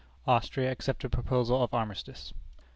Austria accepted proposal of armistice.